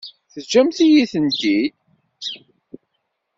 Teǧǧamt-iyi-tent-id.